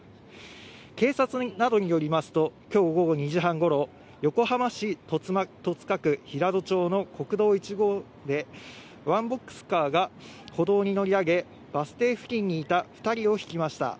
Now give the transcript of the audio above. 警察などによりますと、きょう午後２時半ごろ、横浜市戸塚区平戸町の国道１号で、ワンボックスカーが歩道に乗り上げ、バス停付近にいた２人をひきました。